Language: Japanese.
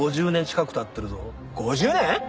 ５０年！？